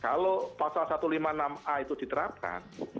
kalau pasal satu ratus lima puluh enam a itu diterapkan